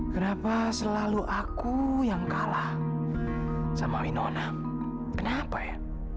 kenapa selalu aku yang kalah sama winonam kenapa ya